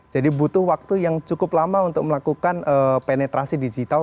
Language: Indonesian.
jadi butuh waktu yang cukup lama untuk melakukan penetrasi digital